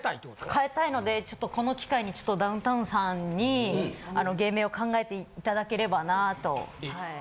変えたいのでちょっとこの機会にちょっとダウンタウンさんに芸名を考えて頂ければなとはい。